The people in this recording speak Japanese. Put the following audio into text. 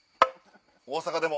大阪でも！